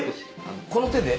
この手で？